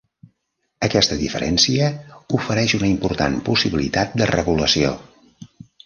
Aquesta diferència ofereix una important possibilitat de regulació.